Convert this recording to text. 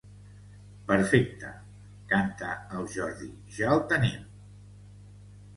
Perfecte —canta el Jordi—, ja el tenim.